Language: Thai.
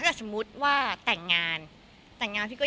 แต่ก็ไม่ได้คิดว่ารีบขนาดนั้นเอาชัวร์ดีกว่า